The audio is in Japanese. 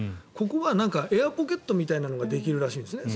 ここがエアポケットみたいなものができるらしいです。